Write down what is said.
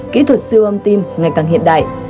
kỹ thuật siêu âm tim ngày càng hiện đại